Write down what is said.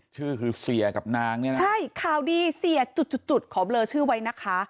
ชื่อคือเสียกับนางเนี่ยนะใช่ข่าวดีเสียจุดจุดขอเบลอชื่อไว้นะคะ